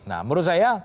nah menurut saya